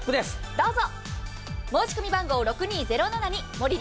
どうぞ。